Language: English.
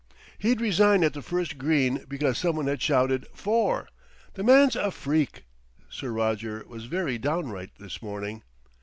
"He'd resign at the first green because someone had shouted 'fore.' The man's a freak!" Sir Roger was very downright this morning.